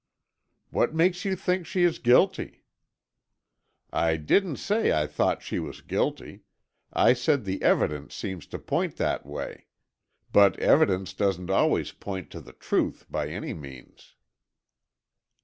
"What makes you think she is guilty?" "I didn't say I thought she was guilty, I said the evidence seems to point that way. But evidence doesn't always point to the truth, by any means."